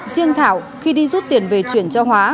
riêng thảo khi đi rút tiền về chuyển cho hóa